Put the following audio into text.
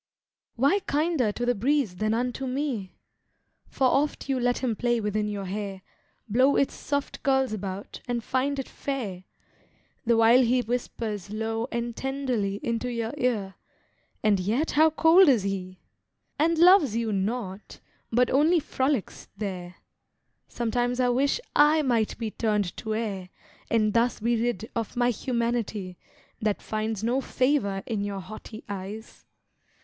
Why kinder to the breeze than unto me? For oft you let him play within your hair, Blow its soft curls about, and find it fair, The while he whispers low and tenderly Into your ear; and yet how cold is he! And loves you not, but only frolics there; Sometimes I wish I might be turned to air, And thus be rid of my humanity, That finds no favour in your haughty eyes.